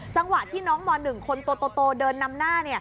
จังหวะที่น้องม๑คนโตเดินนำหน้า